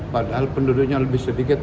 padahal penduduknya lebih sedikit